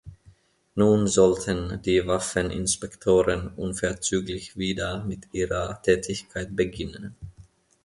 Nun sollten die Waffeninspektoren unverzüglich wieder mit ihrer Tätigkeit beginnen.